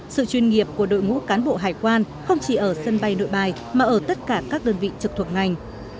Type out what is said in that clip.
sự chuyên nghiệp của đội ngũ cán bộ hải quan không chỉ ở sân bay nội bài mà ở tất cả các đơn vị trực thuộc ngành